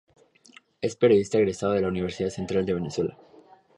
Es periodista egresado de la Universidad Central de Venezuela.